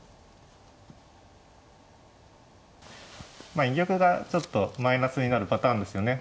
まあ居玉がちょっとマイナスになるパターンですよね